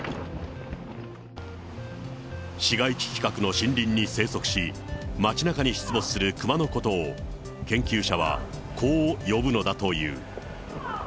市街地近くの森林に生息し、町なかに出没するクマのことを、研究者はこう呼ぶのだという。